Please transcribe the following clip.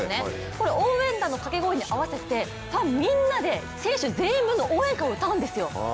これ応援団の掛け声に合わせてファンみんなで選手全員分の応援歌を歌うんですよ。